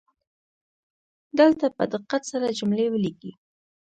دلته په دقت سره جملې ولیکئ